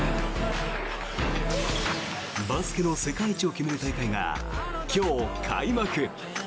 バスケの世界一を決める大会が今日開幕！